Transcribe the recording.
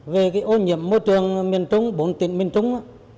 về cái ô nhiễm môi trường miền trung bốn tỉnh miền trung